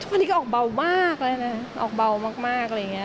วันนี้ก็ออกเบามากแล้วนะออกเบามากอะไรอย่างนี้